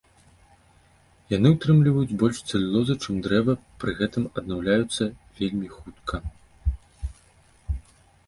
Яны ўтрымліваюць больш цэлюлозы, чым дрэва, пры гэтым аднаўляюцца вельмі хутка.